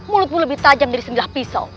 mulutmu lebih tajam dari segilah pisau